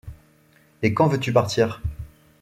Et quand veux-tu partir ?